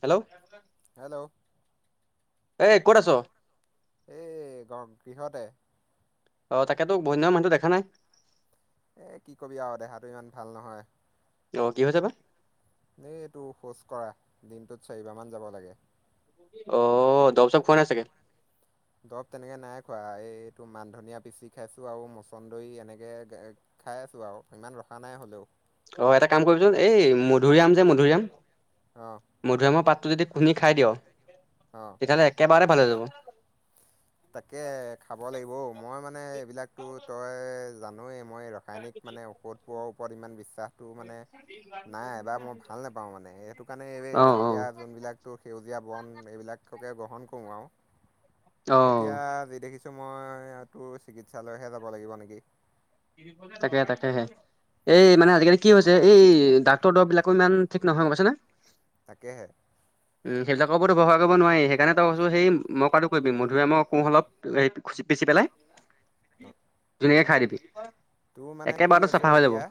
Hello? Hello? এ ক'ত আছ? এই গৰম গৃহতে। অ' তাকেতো বহু দিন হ'ল মানুহটো দেখা নাই? এই কি কবি আৰু দেহাটো ইমান ভাল নহয়। অ' কি হৈছে বা? দেই এইটো শৌচকৰা দিনটোত চাৰি বাৰ মান যাব লাগে। অ' দৰব চৰব খৈৱা নাই চাগে? দৰৱ তেনেকৈ নাই খোৱা এইটো মান ধনিয়া পিচি খাইছোঁ আৰু মচন্দৰী এনেকৈ খাই আছোঁ আৰু, ইমান ৰখা নাই হ'লেওঁ। অ' এটা কাম কৰিবিচোন, এই মধুৰিআম যে মধুৰিআম অ'। মধুৰীআমৰ পাতটো যদি খুন্দি খাই দিয় অ'। তেতিয়াহ'লে একেবাৰতে ভালে যাব। তাকে খাব লাগিব, মই মানে এইবিলাকতো তই জানোৱেই মই ৰস ৰাসায়নিক মানে ঔষধ বোৰৰ ওপৰত ইমান বিশ্বাস টো মানে নাই বা মই ভাল নোপাওঁ মানে, সেইটো কাৰণে এই অ অ গাঁৱলীয়া যোনবিলাক টো সেউজীয়া বন এইবিলাককে গ্ৰহণ কৰোঁ আৰু। অ এতিয়া যি দেখিছোঁ মই তোৰ চিকিৎসালয়হে যাব লাগিব নেকি? তাকে তাকেহে। এই মানে আজিকালি কি হৈছে এই ডাক্তৰ দৰৱ বিলাকো ইমান ঠিক নহয় গ'ম পাইছনে? তাকেহে। [unintelligible] সেইবিলাকৰ ওপৰতো ভৰষা কৰিব নোৱাৰি, সেইকাৰণে তই কৈছো সেই মই কোৱাটো কৰিবি মধুৰীআমৰ কোঁহ অলপ হি পিচি পেলাই [unintelligible] ৰ [unintelligible] ধুনীয়াকে খাই দিবি। তোৰ মানে কি একেবাৰতে হৈছে চাফা হৈ যাব। এতিয়া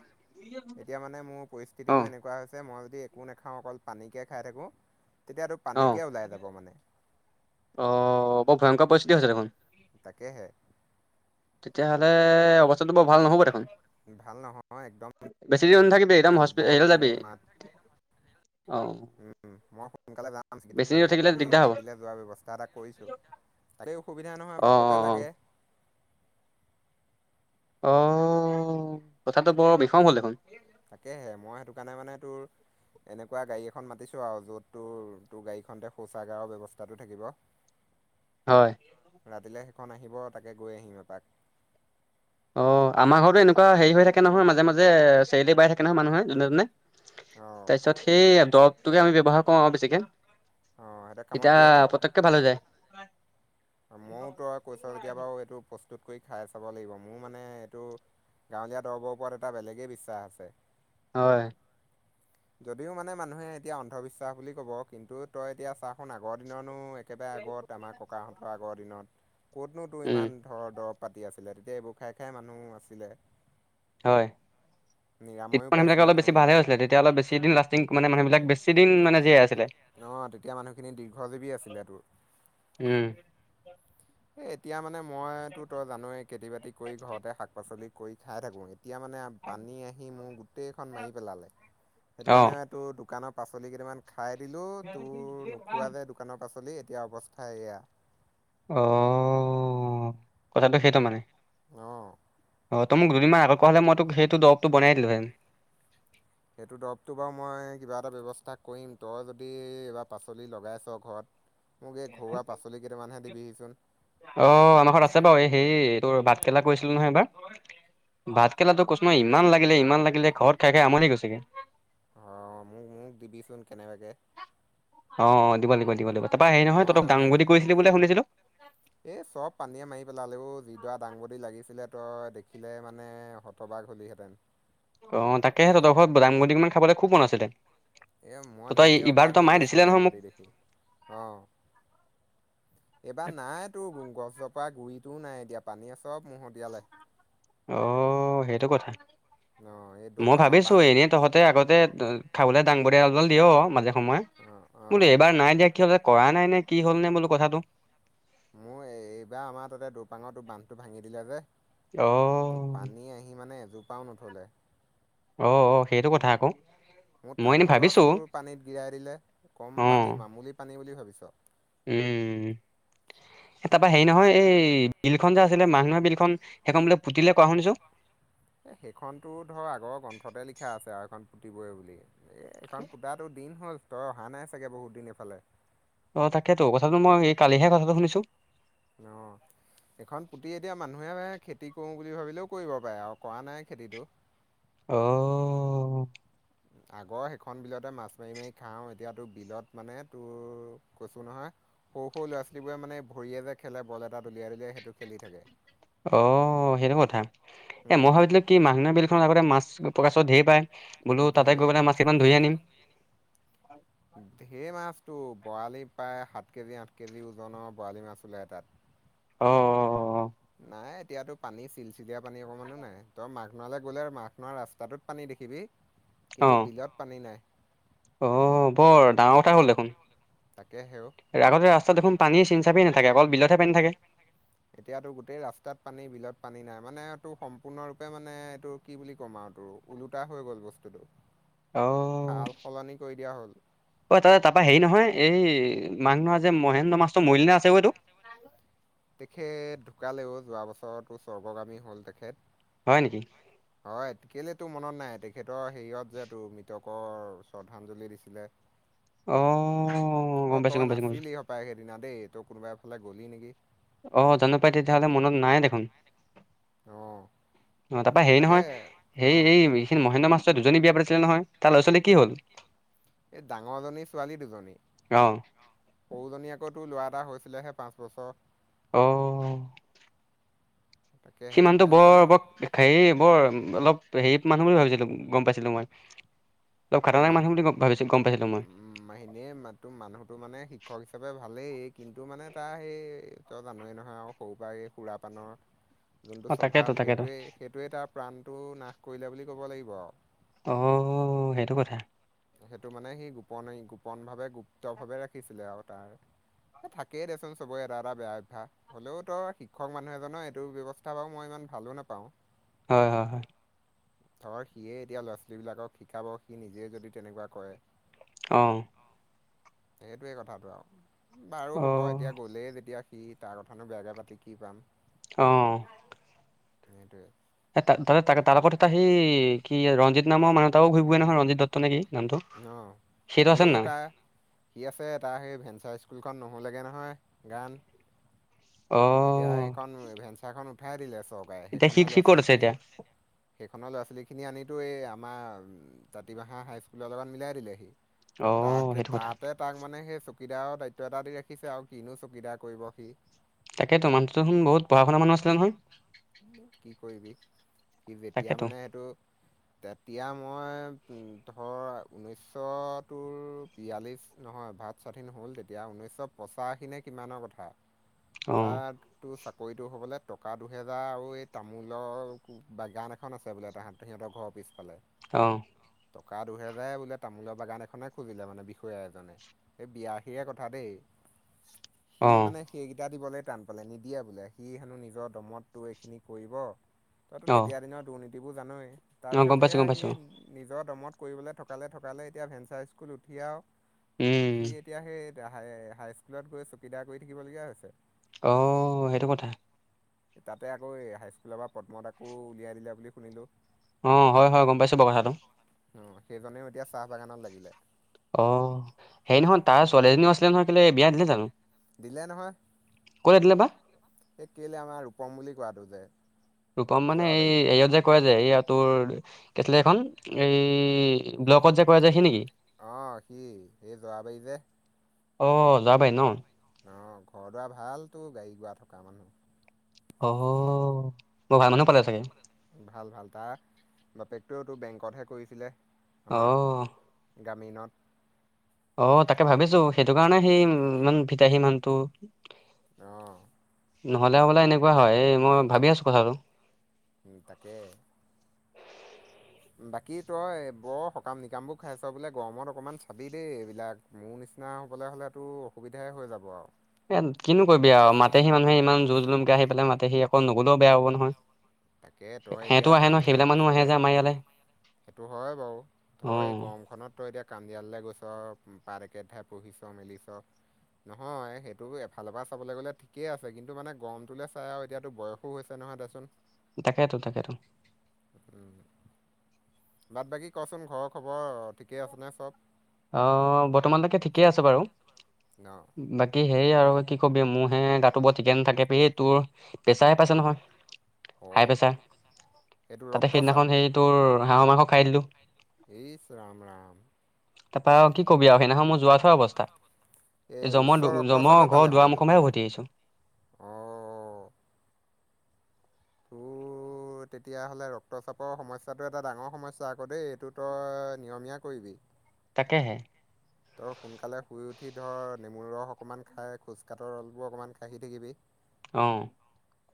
এতিয়া মানে মোৰ অ পৰিস্থিতিটো এনেকুৱা হৈছে, মই যদি একো নাখাওঁ অকল পানীকে খাই থাকোঁ তেতিয়াতো অ পানীকে ওলাই যাব মানে। অ' বৰু ভয়ংকৰ পৰিস্থিতি হৈছে দেখোন। তাকেহে। তেতিয়াহ'লে অৱস্থাটো বৰ ভাল নহ'ব দেখোন। ভাল নহয় একদম বেছি দেৰি নাথাকিবি একদম হস্পি দুৰ্বল হেৰিলৈ যাবি তুমি মোৰ মাত অ উম মই সোনকালে যাম বেছি দেৰি চিকিৎসাললৈ, থাকিলে আজি দিগদাৰ হ'ব ৰাতিলে যোৱাৰ ব্যৱস্থা এটা কৰিছোঁ, সেইতোৱেই অসুবিধা নহয় অ অ বাটতে লাগে। অ' কথটোটো বৰ বিষম হ'ল দেখোন। তাকেহে মই সেইটো কাৰণে মানে তোৰ এনেকুৱা গাড়ী এখন মাতিছোঁ আৰু য'ত তোৰ তোৰ গাড়ীখনতে শৌচাগাৰৰ ব্যৱস্থাটো থাকিব। হয়। ৰাতিলৈ সেইখন আহিব তাকে গৈ আহিম এপাক। অঁ আমাৰ ঘৰতো এনেকুৱা হেৰি হৈ থাকে নহয় মাজে মাজে, চেৰেলি বাই থাকে নহয় মানুহে যোনে তোনে। অ তাৰপিছত সেই দৰবটোকে আমি ব্য্ৱহাৰ কৰো আৰু বেছিকে অ সেইটো কামত এতিয়া দিয়ে নে পতককে ভালে যায় মইওতো আৰু কৈছ যেতিয়া বাৰু এইটো প্ৰস্তুত কৰি খাই চাব লাগিব মোৰ মানে এইটো গাঁৱলীয়া দৰৱবৰ ওপৰত এটা বেলেগেই বিশ্বাস আছে হয় যদিও মানে মানুহে এতিয়া অন্ধবিশ্বাস বুলি ক'ব কিন্তু তই এতিয়া চাচোন আগৰ দিনো একেবাৰে আগত আমাৰ ককাহঁতৰ আগৰ দিনত ক'তনোতো উম ইমান ঘৰ দৰৱ পাতি আছিলে তেতিয়া এইবোৰ খাই খাই মানুহ আছিলে হয় নিৰাময়ো সবিলাকে পাইছিলে অলপ বেছি ভালে তেওঁলোকে হৈছিলে এতিয়া অলপ বেছি দিন লাষ্টিং মানে মানুহবিলাক বেছি দিন জীয়াই আছিলে অ তেতিয়া মানুহখিনি দীৰ্ঘজীৱী আছিলে তোৰ ওম এই এতিয়া মানে মইতো তই জানোৱেই খেতি বাতি কৰি ঘৰতে শাক পাচলি কৰি খাই থাকোঁ এতিয়া মানে পানী আহি মোৰ গোটেইখন মাৰি পেলালে সেইটো অ কাৰণে তোৰ দোকানৰ পাচলি কেইটামান খাই দিলো তোৰ নোখোৱা যে দোকানৰ পাচলি এতিয়া অৱস্থা এয়া অ কথাটো সেইটো মানে অ অ ত মোক দুদিনমান আগত ক হলে মই তোক সেইটো দৰৱটো বনাই দিলো হেন সেইটো দৰৱটো বাৰু মই কিবা এটা ব্যৱস্থা কৰিম তই যদি এইবাৰ পাচলি লগাইছ ঘৰত [inaudible] মোক এই ঘৰুৱা পাচলি কেইটামানহে দিবিহিচোন অ আমাৰ ঘৰত আছে বাৰু এই হেৰি এই তোৰ ভাত কেৰেলা কৰিছিলো নহয় এইবাৰ ভাত কেৰেলাটো কৈচো নহয় ইমান লাগিলে ইমান লাগিলে ঘৰত খাই খাই আমনি গৈছেগে অ মোক মোক দিবিচোন কেনেবাকে অ দিব লাগিব দিব লাগিবা তাপা হেৰি নহয় মই মানে দাংবদী বুলে কৰিছিলি বুলি শুনিছিলো এই চব পানীয়ে মাৰি পেলালেও যিডৰা দাংবদী লাগিছিলে তই দেখিলে মানে তটবাক হলিহেঁতেন অ তাকে সেই ততৰৰত দাম গদমান খাবলৈ খুব মন আছিলে এই মই তই নিজেই ইবাৰ অবাগ তই হৈ মায়ে গৈছিলোঁ দিছিলে নহয় মোক। দাংবদী দেখি অঁ [inaudible] এইবাৰ নাই তোৰ গছজোপা গুৰিটোও নাই এতিয়া পানীয়ে চব মহতিয়ালে অ সেইটো কথা অ এই মই দৌপাঙৰ ভাবিছো বান্ধ এনেই তহত তাতে আগতে খাবলৈ দাংবলডল দিয়ও মাজে সময়ে অ অ বোলো এবাৰ নাই দিয়া কি হল যে কৰা নাই নে কি হ'ল নে বোলো কথাটো মোৰ এইবাৰ আমাৰ তাতে দুপাঙৰ বান্ধটো ভাঙি দিলে যে অ পানী আহি মানে এজোপাও নথলে অ অ সেইটো কথা আকৌ মোক মই এনে তামোল ভাবিছো গছটোৰ পানীত গিৰাই দিলে কম অ পানী মামুলি পানী বুলি ভাবিছ উম তাৰপা হেৰি নহয় এই বিলখন যে আছিলে মাঘ নহৈ বিল খন সেইখন বোলে পুতিলে কোৱা শুনিছো এই সেইখনতো ধৰ আগৰ গ্ৰন্থতে লিখা আছে আৰু এইখন পুতিবই বুলি এ এইখন পুতাাতটো দিন হল তই অহা নাই চাগে বহুত দিন এইফালে অ তাকেতো কথাটো মই এই কালিহে কথাটো শুনিছো ন এইখন পুতি এতিয়া মানুহে খেতি কৰো বুলি ভাবিলেও কৰিব পাৰে আৰু কৰা নাই খেতিতটো অ আগৰ সেইখন বিলতে মাছ মাৰি মাৰি খাওঁ এতিয়া তোৰ বিলত মানে তোৰ কৈছো নহয় সৰু সৰু ল'ৰা ছোৱালীবোৰে মানে ভৰিয়ে যে খেলে বল এটা উলিয়াই দুলিয়াই সেইটো খেলি থাকে অ', সেইটো কথা, এ মই উম ভাবিছিলো কি মাহ বিল খনত আগতে মাছ কাছ ধৈৰ পায় বোলো, তাতে গৈ ধেৰ পেলাই মাছকৈটামান ধৰি আনিম ধৈৰ মাছতটো বৰালি প্ৰায় সাত কেজি আঠ কেজি ওজনৰ বৰালি মাছ ওলাই তাত অ', নাই এতিয়াতো, পানী চিলচিলিয়া পানী অকণমানো নাই তই মাঘনাললৈ গ'লে মাঘন ৰাস্তাটোত পানী দেখিবি অ কিন্তু বিলত পানী নাই অ ', বৰ ডাঙৰ কথা হ'ল দেখোন তাকে হেও আগতে, ৰাস্তা দেখোন পানীয়ে চিন চাাপেই নাাকে অকল বিলতে পানী থাকে এতিয়াতো, গোটেই ৰাস্তাত পানী বিলত পানী নাই মানে তটো সম্পূৰ্ণৰূপে মানে এইটো কি বুলি ক'ম আৰু তটো ওলোটা হৈ গ'ল বস্তুটো অ সাল সলনি কৰি দিয়া হ'ল অঐ তা তাৰপৰা হেৰি নহয় এই মাঘ নহৰা যে মহেন্দ্ৰ মাছটো মৰিলনা আছে গৈ এইতটো তেখেত ঢুকালেও যোৱা বছৰতো স্বৰ্গগামী হ'ল তেখেত হয় নেকি? হয়, কেলে তো মনত নাই, তেখেতৰ হেৰিয়ত যেহেতু মৃতকৰ শ্ৰদ্ধাঞ্জলি দিছিলে অ', গম অ', পাইছোঁ, ই গম পাইছোঁ, গম পাইছোঁ। নাছিলি সপায় সেইদিনা দেই তই কোনোবা এফালে গ'লি নেকি অ', জানো পাই তেতিয়াহলে মনত নাই দেখোন, অ অ তাৰপা হেৰি তাকে নহয় অ এইেই এইখিনি মহেন্দ্ৰ মাষ্টৰ দুজনী বিয়া পাতিছিলে নহয়, তাৰ লৰা ছোৱী কি হ'ল এই, ডাঙৰজনী ছোৱালী দুজনী অ', সৰুজনী আকৈ তোৰ ল'ৰা এটা হৈছিলেহে পাঁচ বছৰ অ', সি তাকেহে মানুহটো বৰ পেঞ্চনৰ বৰ হেৰি বৰ অলপ হেৰি মানুহ বুলি ভাবিছিলো গম পাইছিলো মই অ', ঘাতনক মানুহ বুলি ভাবি গম পাইছিলো মই এনেইো মানুহটো মানে শিক্ষক হিচাপে ভালেই কিন্তু মানে তাৰ সেই কিয় জানোৱেই নহয়, আৰু সৰুৰ পৰাৰা এই সুৰা পানৰ যোনটো অ', তাকেতো স্বভাৱ, তাকেতো। সেইটোৱে সেইটোৱে তাৰ প্ৰাণটো নাশ কৰিলে বুলি ক'ব লাগিব আৰু অ', সেইটো কথা সেইটো মানে, সি গোপনে গোপন ভাৱে গুপ্ত ভাৱে ৰাখিছিলে আৰু তাৰ থাকেই দেচোন চবৰে এটা এটা বেয়া অভ্যাস হ'লেও তো শিক্ষক মানুহ এজনৰ এইটো ব্যৱস্থা বাৰু মই ইমান ভালো নাপাওঁ হয়, হয়, হয় ধৰ সিয়ে এতিয়া, ল'ৰা ছোৱালীবিলাকক শিকাব সি নিজেই যদি তেনেকুৱা কৰে অ', সেইটোৱে কথাটো আৰু, বাৰু হ'ব অ', এতিয়া গ'লেই যেতিয়া কি তাৰ কথানো বেয়াকে পাতি কি পাম অ', সেটোৱ এ ত ত তাৰ লগপত এটা সেই কি ৰঞ্জিত নাম মানহতাও ঘূৰি ব নহয় ৰঞ্জিত দত্ত নেক কি নামটো সেইটো আছে নহয় কি আছে তাৰ সেই ভেঞ্চাৰ স্কুলখন নহ'ললেগৈ নহয় গান এতিয়া অ'। সেইখন ভেঞ্চাৰখন উঠাই দিলে চৰকাৰে এতিয়া সি সেইখনৰ সি ল'ৰা ক'ত আছে ছোৱালীখিনি এতিয়া? সেইখনৰ ল'ৰা ছোৱালীখিনি আনিতো এই আমাৰ তাতি ভাহা হাইস্কুললৈ অলপমান মিলাই দিলেহি অ' তাকে সেইটো কথা তাতে তাক মানে সেই চকীদাৰৰ দায়িত্ব এটা দি ৰাখিছে আৰু কিনো চকীদাৰ কৰিব সি তাকেতো, মানুহটো দে বুতঢ়া শুনা মু আছিলে নয় কি কৰিবি, কি যেতিয়া তাকেতো মানে সেইটো তেতিয়া মই, ধৰ ঊনৈছশটোৰ বিয়াল্লিছ নহয় ভাৱ স্বাধীন হ'ল তেতিয়া ঊনৈছশ পঁাশী ন কিমানৰ কথা উ তাতো চাকৰিতটো হ'বলৈ টকা দু হেজাৰ আৰু এই তামোলৰ বাগান এখন আছে বোলে তাঁত সিহঁতৰ ঘৰৰ পিছফালে অ টকা দুহেজাৰে বোলে তামোলৰ বাগান এনে খুজিলে মানে বিষয়া এজনে সেই বিয়াশীৰে কথা দেই [unintelligible] সি মানে সেইকেইটা দিবলৈ টান পালে নিদিয়ে বোলে সি হেনো নিজৰ দমত তো এইখিনি কৰিব তইতো অ' তেতিয়া দিনৰ দুৰ্নীতিবোৰ জানোৱেই অ' তাৰপিছত গম পাইছোঁ সেয়া গম সেই পাইছোঁ নিজৰ দমত কৰিবলৈ থকালে থকালে এতিয়া ভেঞ্চা স্কুল উঠি আৰু আৰু উম। সি এতিয়া সেই এতিয়া হাই হাই স্কুলত গৈ চকীদাৰ কৰি থাকিবলগীয়া হৈছে অঁ সেইটো কথা তাতে আকৌ এই হাইস্কুলৰ পৰা পদ্মত আকৌ উলিয়াই দিলে বুলি শুনিলোঁ অ হয় হয় গম পাইছোঁ বাৰু কথাটো অঁ সেইজনেও এতিয়া চাহ বাগানত লাগিলে অ সে নহয় তাৰ ছোৱালীজনীও আছিলে নহয় কেলৈ বিয়া দিলে জানো দিলে নহয় ক'লে দিলে বা সেই কেলে আমাৰ ৰূপম বুলি কোৱাটো যে ৰূপম মানে এই যোৱাবাৰী হেৰিয়ত যে কয় যে এইয়া তোৰ কেটল এখন এই ব্লকত যে কৰা যায়হি নেকি অঁ সি এই যোৱাবাৰী যে অ যাবাই ন অঁ ঘৰ দুৱাৰ ভালতো গাড়ী গৰা থকা মানুহ অ মই ভাই মানুহ পালে চাগে ভাল ভাল তাৰ বাপেকটোতো বেংকতহে কৰিছিলে অ' আমাৰ গামীণত অ তাকে ভাবিছো সেইটো কাৰণে সেই ইমান ভিতাহী মানহটো অ নহ'লে বোলে এনেকুৱা হয় এই মই ভাবি আছোঁ কথাটো স তাকে বাকী তই বৰ সকাম নিকামবোৰ খাইছ বোলে গৰমত অকণমান চাবি দেই এইবিলাক মোৰ নিচিনা হ'বলৈ হ'লেতো অসুবিধাই হৈ যাব আৰু এ কিনো কৰিবি আৰু মাতেহি মানুহে ইমান জুজ জলোমকে আহি পেলাই মাতে সি অকল নগলেও বেয়া হ'ব নহয় তাকে তই এতিয়া সিহতো আহে নহয় কামদিয়াল সেইবিলাক মানুহ আহে পাইছগৈ। যে আমাৰ ইয়ালৈ সেইটো হয় বাৰু ধই এই গৰমখনত তই দিয়া কান্দিিয়াললৈ গৈছ পাৰ একেঠাই পুহিছ মেলিছ নহয় সেইটো এফালৰ পৰা চাবলৈ গ'লে ঠিকেই আছে কিন্তু মানে গৰমটোলৈ চাই আৰু এতিয়াতো বয়সো হৈছে তেনেহয় দেচোন তাকেেতো তাকেেতো উম বাদ বাকী কচোন ঘৰৰ খবৰ ঠিকেই আছেনে চব অ বৰ্তমানলৈকে ঠিকেই আছে বাৰু ন ব কি সেই আৰু কি কবি মোৰহে গাটো বৰ ঠিকে নাথাকেিবি তোৰ পেচাহে পাইছে নহয় হাই অ' প্ৰেছাৰ এইটো তাতে ৰক্তচাপ। সেইদিনাখন হেইটোোৰ হাঁহৰ মাংস খাই দিলো ইচ ৰাাম ৰাম তাৰ পৰাৰা আৰু কি কবি আৰু সেইদিনাখনয় মই যোৱা থোৱা অৱস্থা এই এ উচ্চ জমৰ জমৰ ৰক্তচাপে পালে ঘৰ মানে দুৱাৰ তোক। মুখেহে উভতি আহিছো অ' [inaudible] ত তেতিয়াাহ'লে ৰক্তচাপৰ সমস্য়টো এটা ডাঙৰ সমস্যা আকৌ দেই এইটো ত নিয়মীয়া কৰিবি তাকেহে। তই সোনকালে শুই উঠি ধৰ নেমুৰ ৰস অকণমান খাই খোজ কঢৰ ৰলবোৰ অকণমান খহি থাকিবি। অ,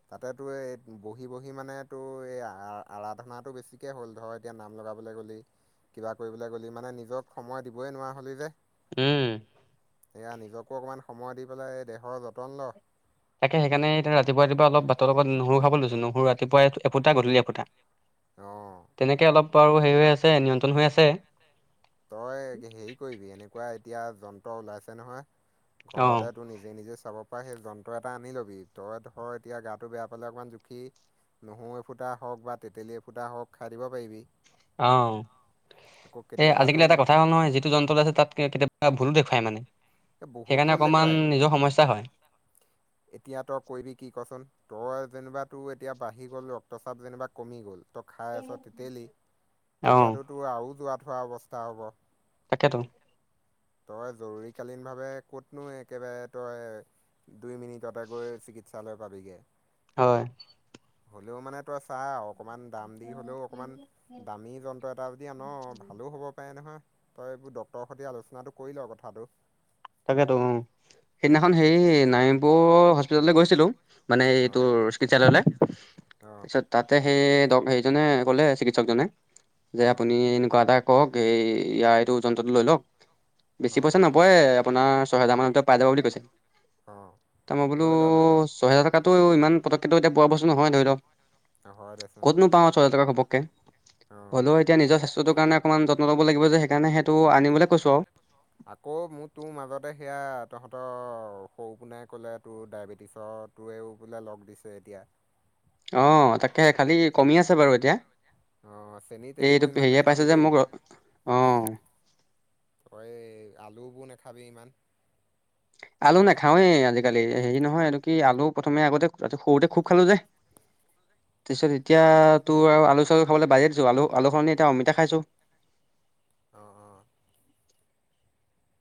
তাতেতো এই বহি বহি মানে তো এই আৰাধনাটো বেছিকে হ'ল ধৰ এতিয়া নাম লগাবলৈ গ'লি কিবা কৰিবলৈ গ'লি মানে নিজক সময় দিবই নোৱাৰা হ'লি যে, উম, এয়া নিজকো অকণমান সময় দি পেলাই এই দেহৰ যতন ল'। তাকে সেইকাৰণেতি ৰাতিপুৱ ৰাতিুৱ অলপ ভাতৰ লগত নহৰু খাব লৈছো নহৰু ৰাতিপুৱা এফুটা গধূলি এফোটা। অ, তেনেকৈ অলপ আৰু হেৰি হৈ আছে নিয়ন্ত্ৰণ হৈ আছে। তই হেৰি কৰিবি এনেকুৱা এতিয়া যন্ত্ৰ ওলাইছে নহয়, অ ঘৰতেতো নিজে নিজে চাব ত সেই যন্ত্ৰ এটা আনি ল'বি তই ধৰ এতিয়া গাটো বেয়া পালে অকণমান জুখি নহৰু এ ফুটা হওক বা তেতেলী এ ফুটা হওক খাই দিব পাৰিবি। অ, আকৌ এ কেতিয়াবা আজিকালি এটা তোৰ কথা নহয় যিটো যন্ত্ৰত আছে তাত কেতিয়াবা ভুলো দেখুৱাই মানে এই বহুত সেইকাৰণে ভুল অকমান নিজৰ দেখুৱায় সমস্যা হয়। এতিয়া তই কৰিবিবি কি কচোন তই যেনিবা তোৰ এতিয়া বাঢ়ি গ'ল ৰক্তচাপ যেনিবা কমি গ'ল, তই খাই আছ তিতেলি অ তেতিয়াতোতো আৰু যোৱা থোৱা অৱস্থা হ'ব। তাকেতো, তই জৰুৰীকালীনভাৱে ক'তনো একেবাৰে তই দুই মিনিট ততে গৈ চিকিৎসালয় পাবিগৈ। হয়, হ'লেও মানে তই চাই আৰু। অকমান দাম দি হলেও অকণমান দামী যন্ত্ৰ এটা যদি আন ভালো হ'ব পাৰে নহয়। তই এইবোৰ ডক্টৰৰ সৈতে আলোচনাটো কৰি ল কথাটো। তাকেতো অ, সেইদিনাখন হেৰি নাৰমপুৰ হস্পিতাললৈ গৈছিলোঁ, মানে অ এইটো চিকিৎসালয়লে অ তাৰপছত তাতে সেই হেজনে ক'লে চিকিৎসকজনে যে অ আপুনি এনেকুৱা এটা কওক এই ইয়াৰ এইটো যন্ত্ৰটো লৈ লওক অ বেছি পইচা অ নপৰে, ছয় হাজাৰ মনতে পাই যাব বুলি কৈছে, অ তাৰপৰা মই লৈ ল লৈ ল বোলো [inaudible] কাতো ইমান পতকটো এতিয়া পোৱা বস্তু নহয় ধৰি ল। হয় দেচোন ক'তনো পাওঁ ছয় হাজাৰ ঘপকে অ হ'লেও এতিয়া নিজ স্বাস্থ্যৰ কাৰণে অকমান যত্ন লাগিব সেইণে সেইটো আনিবলৈ কৈছোঁ আৰু। আকৌ মোৰ তোৰ মাজতে সেয়া তহঁতৰ সৰুপোনাই ক'লে তোৰ ডায়েবেটিছৰ টোৱেও বোলে লগ দিছে এতিয়া। আহ, তাকে খালি কমি আছে বাৰু এতিয়া। অ চেনি এই-এইটো তেনিবোৰ ইমান হেৰিয়ে পাইছে নাখাবি যে দেই মোক অ, তই আলুবোৰ নাখাবি ইমান। আলু নাখাৱেই আজিকালি হেৰি নহয় এইটো কি আলু প্ৰথমে আগতে সৰুতে খুব খালো যে, [inaudible] এতিয়া অ তোৰ আৰু আলু চউলু খাবলৈ বাজিয়েছো আলু আলুখননি এতিয়া অমিতা খাইছোঁ। অ, অ,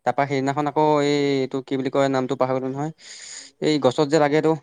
তাৰপা সেইদিনাখন আকৌ তাকে এই এইটো কি বুলি কয় নামটো পাহৰিলো নহয় এই গছত যে লাগে এইটো,